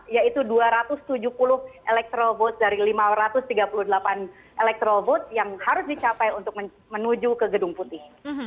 yaitu dua ratus tujuh puluh electoral vote dari lima ratus tiga puluh delapan electoral vote yang harus dicapai untuk menuju ke gedung putih